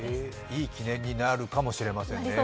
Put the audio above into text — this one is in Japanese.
いい記念になるかもしれませんね。